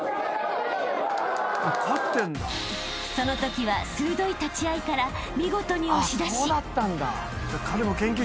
［そのときは鋭い立ち合いから見事に押し出し］